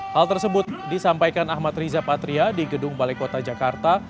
hal tersebut disampaikan ahmad riza patria di gedung balai kota jakarta